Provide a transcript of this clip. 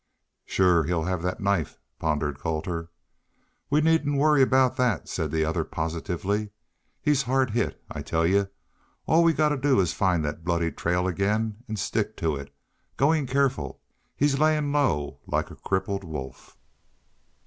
"Shore, he'll have that knife," pondered Colter. "We needn't worry about thet," said the other, positively. "He's hard hit, I tell y'u. All we got to do is find thet bloody trail again an' stick to it goin' careful. He's layin' low like a crippled wolf."